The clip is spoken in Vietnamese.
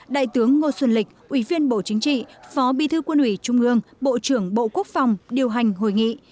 đại tướng ngô xuân lịch ủy viên bộ chính trị phó bi thư quân ủy trung ương bộ trưởng bộ quốc phòng điều hành hội nghị